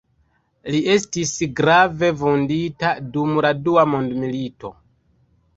Li estis grave vundita dum la dua mondmilito.